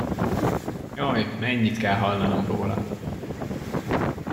Jaj, mennyit kell hallanom róla!